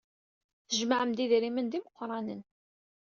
Tjemɛem-d idrimen d imeqranen.